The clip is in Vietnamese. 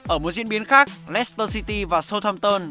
ở mùa diễn biến khác leicester city và southampton